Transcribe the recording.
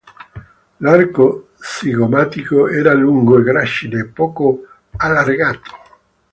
L'arco zigomatico era lungo e gracile, poco allargato.